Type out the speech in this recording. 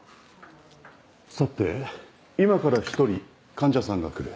さて今から１人患者さんが来る。